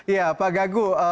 ya pak gaguk